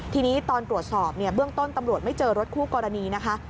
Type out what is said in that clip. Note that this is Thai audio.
ทีนี้ตอนตรวจสอบเนี่ยเบื้องต้นตำรวจไม่เจอรถคู่กรณีนะคะ